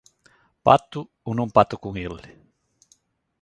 Pacto ou non pacto con el?